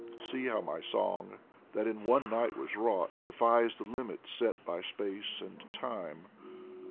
See how my song, that in one night was wrought, Defies the limits set by space and time